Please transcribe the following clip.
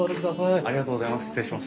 ありがとうございます。